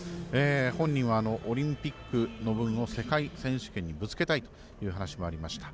本人はオリンピックの分を世界選手権にぶつけたいという話もありました。